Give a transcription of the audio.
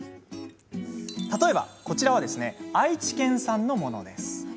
例えば、こちらは愛知県産のもの。